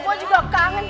ya gue juga kangen